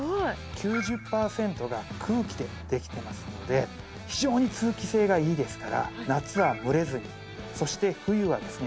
９０パーセントが空気でできてますので非常に通気性がいいですから夏は蒸れずにそして冬はですね